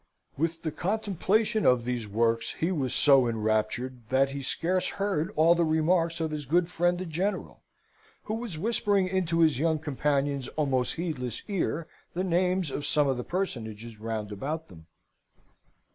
With the contemplation of these works he was so enraptured, that he scarce heard all the remarks of his good friend the General, who was whispering into his young companion's almost heedless ear the names of some of the personages round about them.